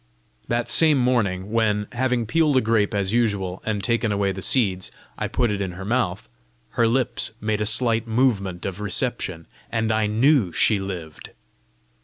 That same morning, when, having peeled a grape as usual and taken away the seeds, I put it in her mouth, her lips made a slight movement of reception, and I KNEW she lived!